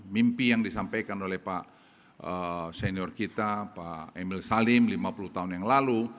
mimpi yang disampaikan oleh pak senior kita pak emil salim lima puluh tahun yang lalu